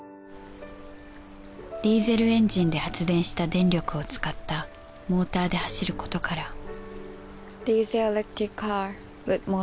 ディーゼルエンジンで発電した電力を使ったモーターで走ることから